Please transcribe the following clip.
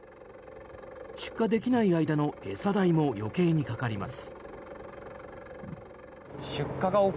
出荷できない間の餌代も余計にかかります。